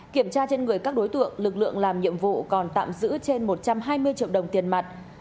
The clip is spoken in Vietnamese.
kiểm tra trên người các đối tượng lực lượng làm nhiệm vụ còn tạm giữ trên một trăm hai mươi triệu đồng tiền mặt